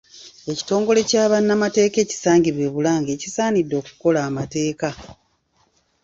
Ekitongole kya bannamateeka, ekisangibwa e Bulange kisaanidde okukola amateeka.